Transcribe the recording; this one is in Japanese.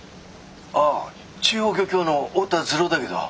ああ中央漁協の太田滋郎だけど。